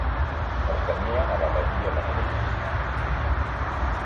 Pertanyien a l'Abadia benedictina Tyniec.